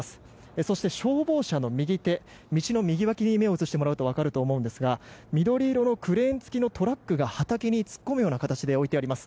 そして、消防車の右手道の右わきに目を移してもらうと分かると思うんですが緑色のクレーン付きトラックが畑に突っ込むような形で置いてあります。